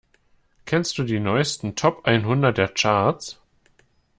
Kennst du die neusten Top einhundert der Charts?